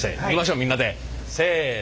みんなでせの。